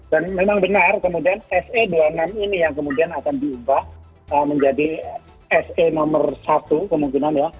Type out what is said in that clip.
dan memang benar kemudian se dua puluh enam ini yang kemudian akan diubah menjadi se nomor satu kemungkinan ya